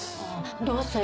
どうする？